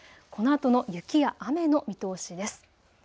このあとの雪や雨の見通しです。